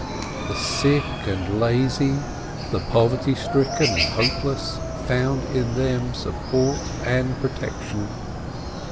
The sick and lazy, the poverty stricken and hope less, found in them support and protection.